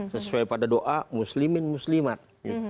sesuai pada doa muslimin muslimat